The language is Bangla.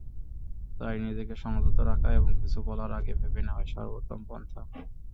তাই নিজেকে সংযত রাখা এবং কিছু বলার আগে ভেবে নেওয়াই সর্বোত্তম পন্থা।